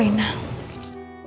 aku nanya kak dan rena